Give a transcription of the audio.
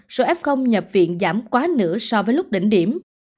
số f nhập viện giảm quá nửa so với lúc đỉnh điểm